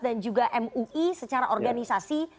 dan juga mui secara organisasi